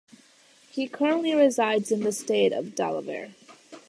He currently resides in the state of Delaware.